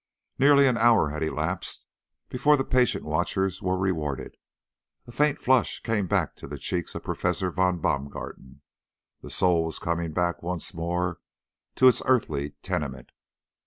Nearly an hour had elapsed before the patient watchers were rewarded. A faint flush came back to the cheeks of Professor von Baumgarten. The soul was coming back once more to its earthly tenement.